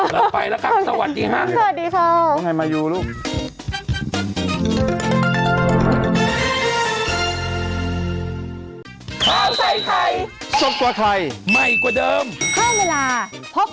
แล้วไปละกันสวัสดีครับ